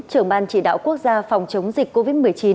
trưởng ban chỉ đạo quốc gia phòng chống dịch covid một mươi chín